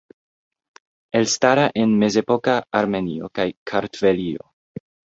Elstara en mezepoka Armenio kaj Kartvelio.